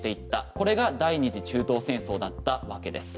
これが第２次中東戦争だったわけです。